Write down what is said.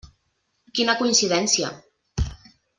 Quina coincidència!